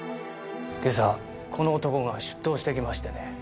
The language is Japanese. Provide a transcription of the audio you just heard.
今朝この男が出頭してきましてね。